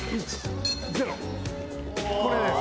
これです。